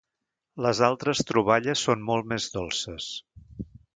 Les altres troballes són molt més dolces.